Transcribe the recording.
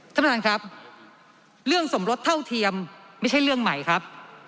ท่านผู้ชมเรื่องสมรสเท่าเทียมไม่ใช่เรื่องใหม่ครับ